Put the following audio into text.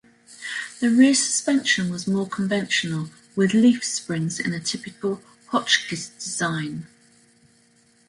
The rear suspension was more conventional, with leaf springs in a typical Hotchkiss design.